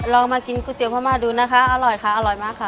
ลองมากินก๋วเตี๋ยพม่าดูนะคะอร่อยค่ะอร่อยมากค่ะ